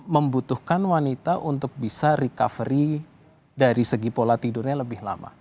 membutuhkan wanita untuk bisa recovery dari segi pola tidurnya lebih lama